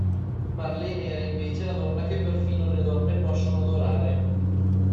Marlene era invece "la donna che perfino le donne possono adorare".